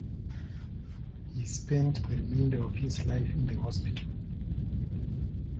He spent the remainder of his life in the hospital.